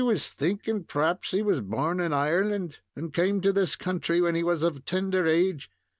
"I was thinking p'raps he was born in Ireland, and came to this country when he was of tender age.